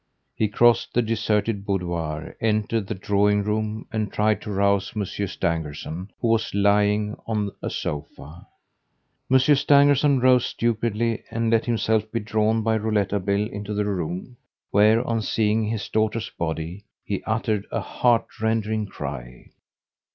He crossed the deserted boudoir, entered the drawing room, and tried to rouse Monsieur Stangerson who was lying on a sofa. Monsieur Stangerson rose stupidly and let himself be drawn by Rouletabille into the room where, on seeing his daughter's body, he uttered a heart rending cry.